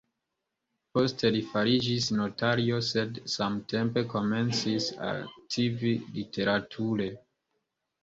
Poste li fariĝis notario, sed samtempe komencis aktivi literature.